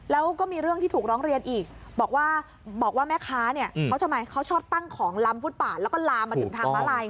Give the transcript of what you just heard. แล้วก็มีเรื่องที่ถูกร้องเรียนอีกบอกว่าบอกว่าแม่ค้าเนี่ยเขาทำไมเขาชอบตั้งของลำฟุตบาทแล้วก็ลามมาถึงทางม้าลาย